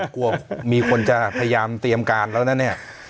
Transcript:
กลัวมีคนจะพยายามเตรียมการแล้วนะเนี่ย